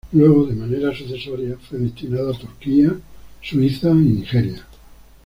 Luego de manera sucesoria, fue destinado a Turquía, Suiza y Nigeria.